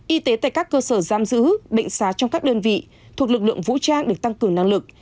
y tế tại các cơ sở giam giữ bệnh xá trong các đơn vị thuộc lực lượng vũ trang được tăng cường năng lực